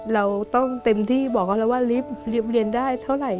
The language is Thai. เราต้องเต็มที่บอกเขาแล้วว่าลิฟต์เรียนได้เท่าไหร่